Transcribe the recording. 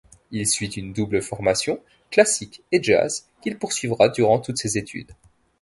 Il suit une double formation, classique et jazz, qu’il poursuivra durant toutes ses études.